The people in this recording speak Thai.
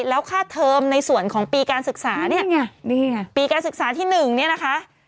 แล้วค่าเทอมในส่วนของปีการศึกษาเนี่ยปีการศึกษาที่๑เนี่ยนะคะ